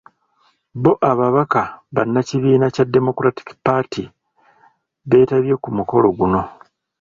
Bo ababaka bannakiibiina kya Democratic Party beetabye ku mukolo guno.